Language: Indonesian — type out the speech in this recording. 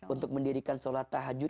untuk mendirikan sholat tahajud